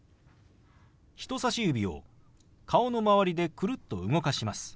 人さし指を顔の周りでくるっと動かします。